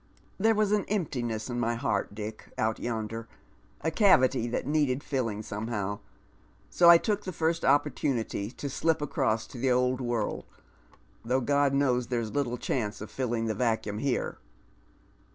There waa an emptiness in my heart, Dick, out yonder — a cavity that needed filling somehow, — so I took the first opportunity to slip across to the old world, though God knows there's little chance of filling the vacuum here.